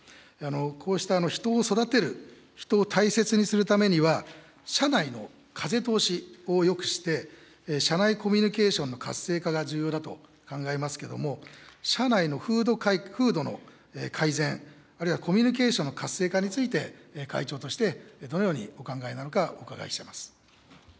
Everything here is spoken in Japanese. こうした人を育てる、人を大切にするためには、社内の風通しをよくして、社内コミュニケーションの活性化が重要だと考えますけども、社内の風土の改善、あるいはコミュニケーションの活性化について、会長としてどのようにお考えなのか、お伺いします。